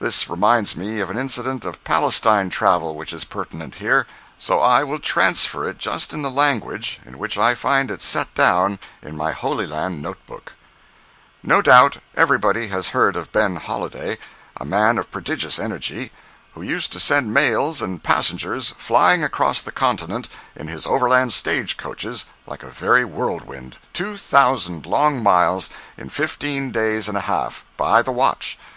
This reminds me of an incident of Palestine travel which is pertinent here, so I will transfer it just in the language in which I find it set down in my Holy Land note book: No doubt everybody has heard of Ben Holliday—a man of prodigious energy, who used to send mails and passengers flying across the continent in his overland stage coaches like a very whirlwind—two thousand long miles in fifteen days and a half, by the watch!